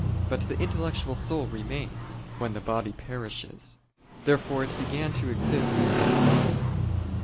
But the intellectual soul remains, when the body perishes. Therefore it began to exist before the body.